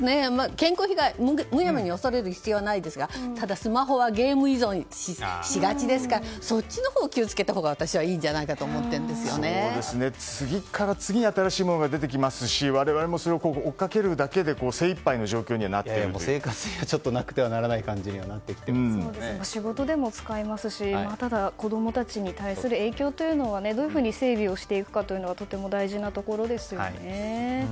健康被害は大丈夫ですがスマホはゲーム依存をしがちですからそっちのほうを気をつけたほうがいいんじゃないかと次から次に新しいものが出てきますし我々もそれを追いかけるだけで生活になくてはならない仕事でも使いますし子供たちに対する影響というのはどういうふうに整備していくかはとても大事なところですよね。